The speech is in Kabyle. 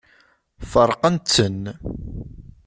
Feṛqent-ten.